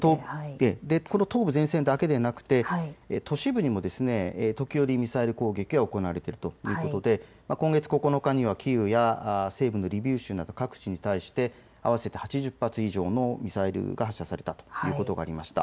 この東部前線だけでなく都市部にも時折、ミサイル攻撃が行われているということで今月９日にはキーウや西部のリビウ州など各地に対して合わせて８０発以上のミサイルが発射されたということがありました。